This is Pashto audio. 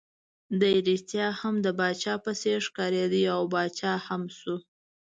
دی ريښتیا هم د پاچا په څېر ښکارېد، او پاچا هم شو.